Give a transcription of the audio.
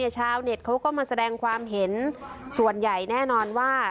ชาวเน็ตเขาก็มาแสดงความเห็นส่วนใหญ่แน่นอนว่า